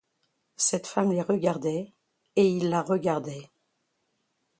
Cette femme les regardait, et ils la regardaient.